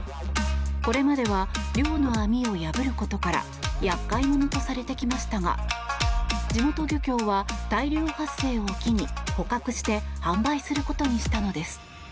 これまでは漁の網を破ることから厄介者とされてきましたが地元漁協は、大量発生を機に捕獲して販売することにしたのです。